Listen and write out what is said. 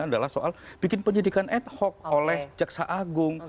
adalah soal bikin penyidikan ad hoc oleh jaksa agung